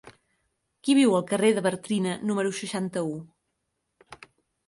Qui viu al carrer de Bartrina número seixanta-u?